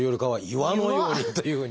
岩のようにというふうに。